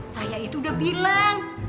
saya itu udah bilang